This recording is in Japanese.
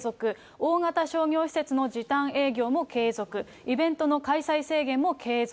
大型商業施設の時短営業も継続、イベントの開催制限も継続。